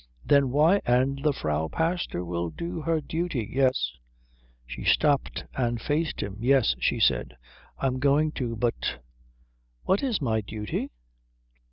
"Then why " "And the Frau Pastor will do her duty." "Yes." She stopped and faced him. "Yes," she said, "I'm going to, but what is my duty?"